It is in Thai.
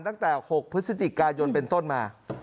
ตั้งแต่๖พฤศจิกายนเป็นต้นมา